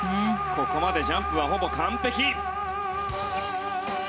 ここまでジャンプはほぼ完璧！